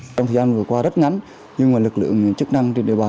trong thời gian vừa qua rất ngắn nhưng mà lực lượng chức năng trên địa bàn